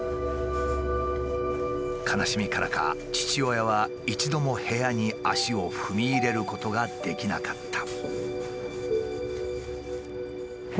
悲しみからか父親は一度も部屋に足を踏み入れることができなかった。